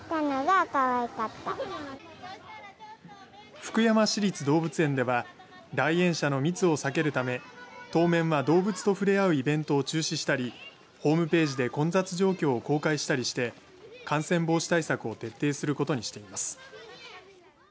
福山市立動物園では来園者の密を避けるため当面は動物と触れ合うイベントを中止したりホームページで混雑状況を公開したりして感染防止対策を徹底することにしています。